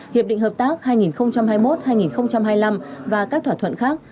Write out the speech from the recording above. hiệp định hợp tác hai nghìn hai mươi một hai nghìn hai mươi năm và các thỏa thuận khác